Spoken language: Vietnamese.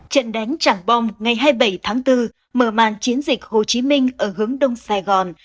trận đánh chẳng bom ngày hai mươi bảy tháng bốn mở màn chiến dịch hồ chí minh ở hướng đông sài gòn